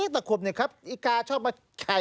ตะขบเนี่ยครับอีกาชอบมาไข่